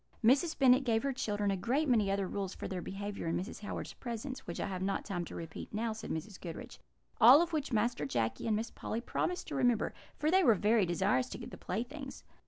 "Mrs. Bennet gave her children a great many other rules for their behaviour in Mrs. Howard's presence, which I have not time to repeat now," said Mrs. Goodriche; "all of which Master Jacky and Miss Polly promised to remember, for they were very desirous to get the playthings.